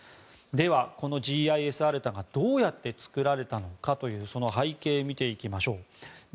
では、このＧＩＳＡｒｔａがどうやって作られたのかというその背景を見ていきましょう。